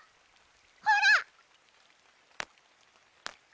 ほら！